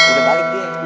udah balik deh